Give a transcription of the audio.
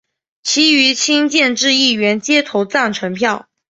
其余亲建制议员皆投赞成票。